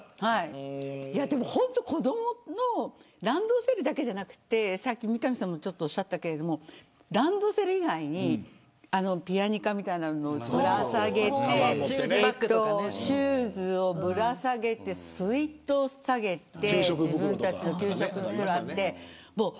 本当に、子どものランドセルだけじゃなくってさっき三上さんもおっしゃったけれどランドセル以外にピアニカみたいなものぶら下げてシューズをぶら下げて水筒下げて給食の袋があって。